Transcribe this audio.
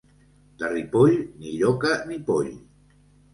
De Ripoll, ni lloca ni poll.